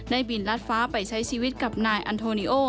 บินรัดฟ้าไปใช้ชีวิตกับนายอันโทนิโอ